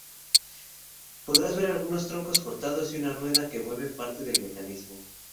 Podrás ver algunos troncos cortados y una rueda que mueve parte del mecanismo.